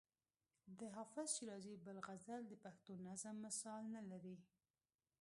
د حافظ شیرازي بل غزل د پښتو نظم مثال نه لري.